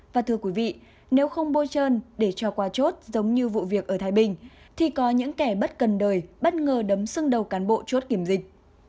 và thưa quý vị nếu không bôi trơn để cho qua chốt giống như vụ việc ở thái bình thì có những kẻ bất cần đời bất ngờ đấm xưng đầu cán bộ chốt kiểm dịch